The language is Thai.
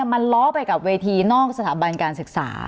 มันล้อไปกับเวทีนอกสถาบันการศึกษา